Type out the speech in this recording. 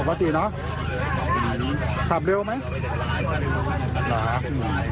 ขับเร็วไหมหรอครับหรอครับหลับไหมไม่หลับ